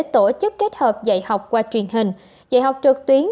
tổ chức kết hợp dạy học qua truyền hình dạy học trực tuyến